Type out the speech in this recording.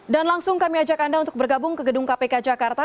dan langsung kami ajak anda untuk bergabung ke gedung kpk jakarta